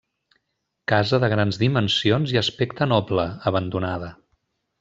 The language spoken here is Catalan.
Casa de grans dimensions i aspecte noble, abandonada.